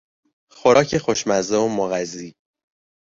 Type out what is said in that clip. خوراک خوشمزه و مغذی